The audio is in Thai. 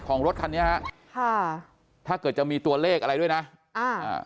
รถคันนี้ฮะค่ะถ้าเกิดจะมีตัวเลขอะไรด้วยนะอ่า